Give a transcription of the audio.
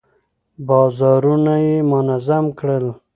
بازارونه يې منظم کړل.